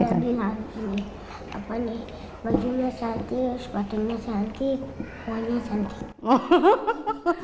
juri bilang bajunya cantik sepatunya cantik rumahnya cantik